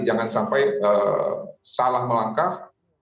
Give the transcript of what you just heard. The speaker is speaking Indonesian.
jangan sampai salah melangkah